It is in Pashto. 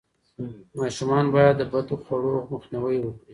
ماشومان باید د بدخواړو مخنیوی وکړي.